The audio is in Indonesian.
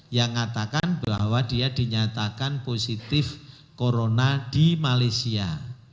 yang mengatakan bahwa dia dinyatakan positif corona di malaysia